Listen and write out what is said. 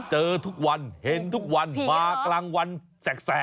เจอทุกวันเห็นทุกวันมากลางวันแสก